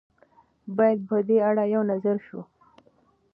باید په دې اړه یو نظر شو.